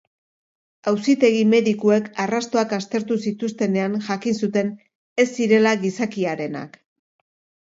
Auzitegi-medikuek arrastoak aztertu zituztenean jakin zuten ez zirela gizakiarenak.